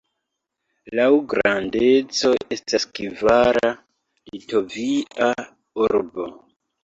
Laŭ grandeco estas kvara Litovia urbo.